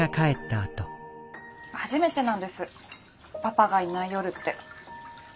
初めてなんですパパがいない夜って。